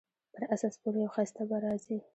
پر اس سپور یو ښایسته به راځي